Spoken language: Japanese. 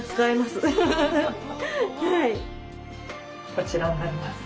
こちらになります。